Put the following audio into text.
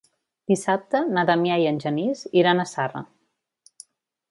Dissabte na Damià i en Genís iran a Zarra.